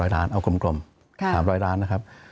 ล้านเอากลม๓๐๐ล้านนะครับ